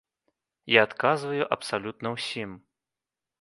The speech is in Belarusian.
Я адказваю абсалютна ўсім.